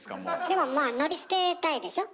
でもまあ乗り捨てたいでしょ。